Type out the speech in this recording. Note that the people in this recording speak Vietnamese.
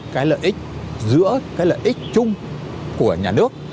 cái lợi ích giữa cái lợi ích chung của nhà nước